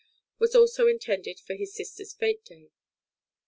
was also intended for his sister's fête day.